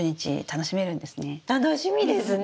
楽しみですね！